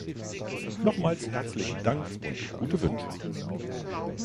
Nochmals herzlichen Dank und gute Wünsche!